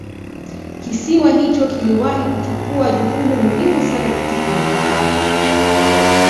Kisiwa hicho kiliwahi kuchukua jukumu muhimu sana katika mikataba